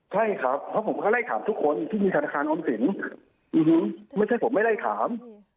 ใช่ครับเพราะผมก็ไล่ถามทุกคนที่มีธนาคารออมสินไม่ใช่ผมไม่ไล่ถาม